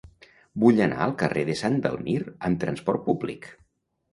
Vull anar al carrer de Sant Dalmir amb trasport públic.